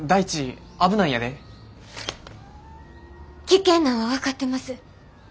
危険なんは分かってます。